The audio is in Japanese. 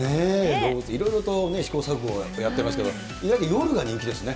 動物、いろいろと試行錯誤やってますけど、意外と夜が人気ですね。